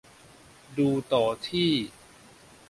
ดูต่อที่